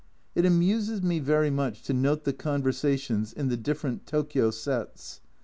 It amuses me very much to note the conversations in the different Tokio sets.